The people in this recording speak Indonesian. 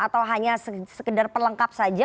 atau hanya sekedar perlengkap saja